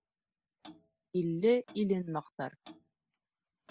Илле илен маҡтар.